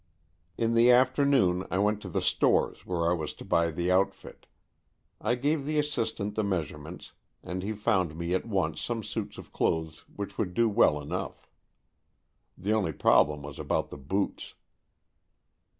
In the afternoon I went to the stores where I was to buy the outfit. I gave the assistant the measurements, and he found me at once some suits of clothes which would do well enough. The only trouble was about the boots.